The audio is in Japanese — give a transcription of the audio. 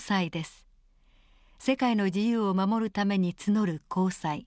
世界の自由を守るために募る公債。